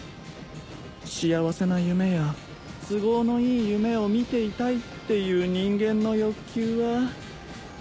幸せな夢や都合のいい夢を見ていたいっていう人間の欲求は